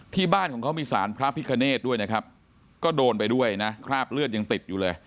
ที่บ้านของเขามีสารพระพิคเนธด้วยนะครับก็โดนไปด้วยนะคราบเลือดยังติดอยู่เลย